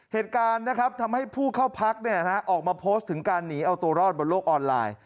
เหตุการณ์นะครับทำให้ผู้เข้าพักออกมาโพสต์ถึงการหนีเอาตัวรอดบนโลกออนไลน์